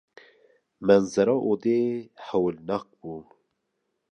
Menzera odê hewilnak bû.